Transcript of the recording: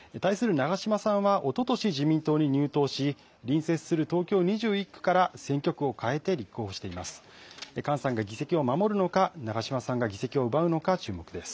長島さんはおととし自民党に入党し隣接する東京２１区から選挙区を変えて立候補しています。